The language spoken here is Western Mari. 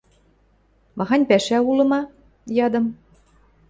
— Махань пӓшӓ улы ма? — ядым.